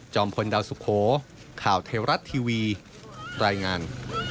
พลดาวสุโขข่าวเทวรัฐทีวีรายงาน